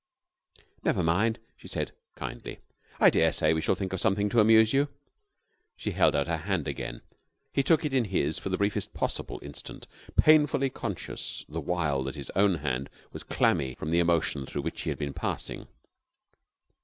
"Never mind," she said, kindly. "I daresay we shall think of something to amuse you." She held out her hand again. He took it in his for the briefest possible instant, painfully conscious the while that his own hand was clammy from the emotion through which he had been passing.